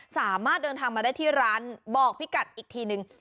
สามารถเดินทางมาได้ที่ร้านบอกพี่กัดอีกทีนึง